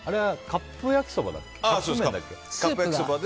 カップ焼きそばですね。